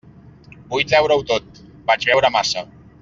Vull treure-ho tot: vaig beure massa.